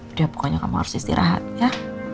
udah pokoknya kamu harus istirahat ya